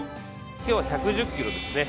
今日は１１０キロですね。